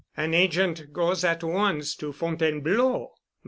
An agent goes at once to Fontainebleau.